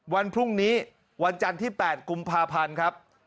วันพรุ่งนี้วันจันทร์ที่๘กุมภาพันธ์ครับ